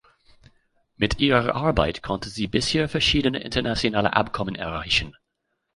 Mit ihrer Arbeit konnte sie bisher verschiedene internationale Abkommen erreichen.